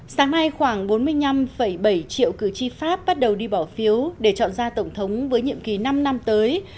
sáng nay khoảng bốn mươi năm bảy triệu cử tri pháp bắt đầu đi bỏ phiếu để chọn ra tổng thống với nhiệm kỳ năm năm tới